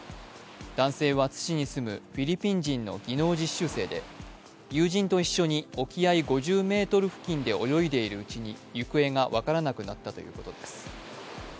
男性は津市に住むフィリピン人の技能実習生で友人と一緒に沖合５０ｍ付近で泳いでいるうちに行方が分からなくなったということです。